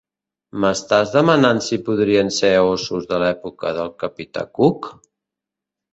M'estàs demanant si podrien ser ossos de l'època del capità Cook?